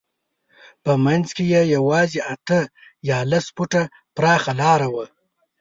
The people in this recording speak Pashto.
په منځ کې یې یوازې اته یا لس فوټه پراخه لاره وه.